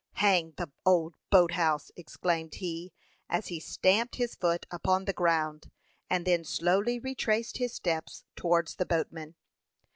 "Hang the old boat house!" exclaimed he, as he stamped his foot upon the ground, and then slowly retraced his steps towards the boatman.